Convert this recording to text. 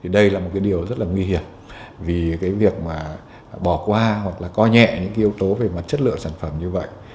đây là một điều rất nghi hiểm vì việc bỏ qua hoặc co nhẹ những yếu tố về mặt chất lượng sản phẩm như vậy